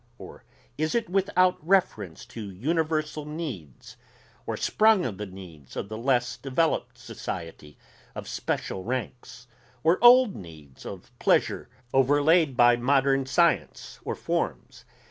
or is it without reference to universal needs? or sprung of the needs of the less developed society of special ranks? or old needs of pleasure overlaid by modern science or forms?